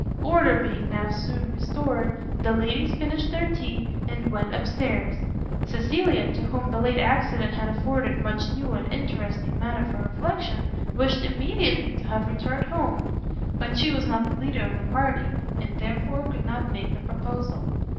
Order being now soon restored, the ladies finished their tea, and went up stairs. Cecilia, to whom the late accident had afforded much new and interesting matter for reflection, wished immediately to have returned home, but she was not the leader of the party, and therefore could not make the proposal.